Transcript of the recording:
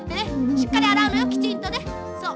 しっかりあらうのよきちんとね。